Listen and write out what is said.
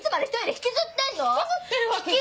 引きずってるわけじゃ。